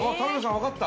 わかった？